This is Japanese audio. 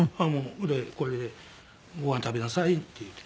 「これでご飯食べなさい」って言うて。